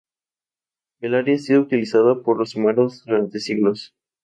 El área ha sido utilizada por los humanos durante siglos.